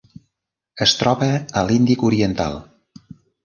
Es troba a l'Índic oriental: